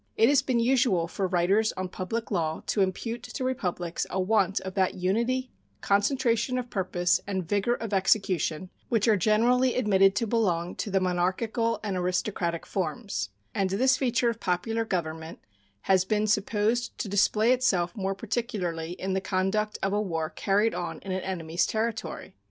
It has been usual for writers on public law to impute to republics a want of that unity, concentration of purpose, and vigor of execution which are generally admitted to belong to the monarchical and aristocratic forms; and this feature of popular government has been supposed to display itself more particularly in the conduct of a war carried on in an enemy's territory.